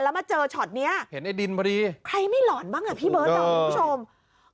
แล้วมาเจอช็อตนี้เห็นไอ้ดินพอดีใครไม่หลอนบ้างอ่ะพี่เบิร์ดดอมคุณผู้ชม